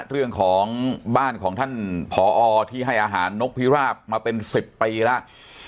เรื่องของบ้านของท่านผอที่ให้อาหารนกพิราบมาเป็น๑๐ปีแล้ว